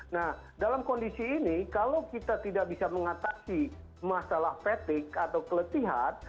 nah dalam kondisi ini kalau kita tidak bisa mengatasi masalah fatik atau keletihan